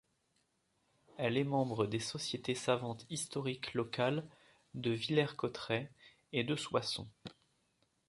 Elle est membre des Sociétés savantes historiques locales de Villers-Cotterêts et de Soissons.